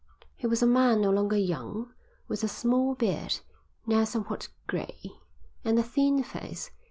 He was a man no longer young, with a small beard, now somewhat grey, and a thin face.